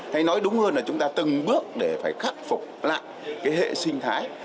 hay nói đúng hơn là chúng ta từng bước để phải khắc phục lại cái hệ sinh thái